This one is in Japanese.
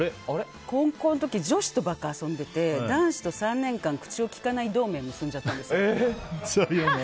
高校の時女子とばっかり遊んでで男子とは口をきかない同盟を結んじゃったんですよ。